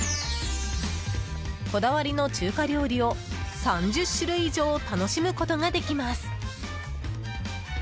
こだわりの中華料理を３０種類以上楽しむことができます。